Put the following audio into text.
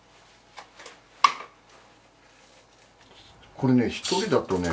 これね１人だとね